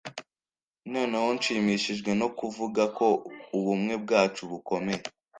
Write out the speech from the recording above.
Noneho nshimishijwe no kuvuga ko ubumwe bwacu bukomeye